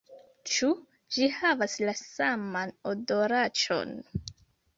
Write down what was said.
Ĉu ĝi havas la saman odoraĉon?